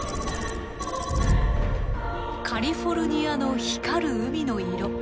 カリフォルニアの光る海の色。